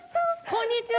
こんにちは。